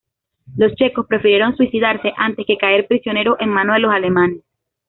Los checos prefirieron suicidarse antes que caer prisioneros en manos de los alemanes.